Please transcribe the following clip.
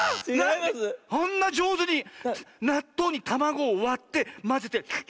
あんなじょうずになっとうにたまごをわってまぜて。